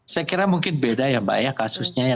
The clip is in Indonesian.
saya kira mungkin beda ya mbak ya kasusnya ya